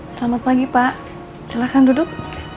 selamat pagi pak silahkan duduk